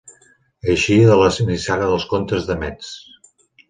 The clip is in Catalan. Eixia de la nissaga dels comtes de Metz.